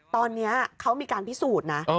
ตอนนี้เขามีการพิสูจน์นะ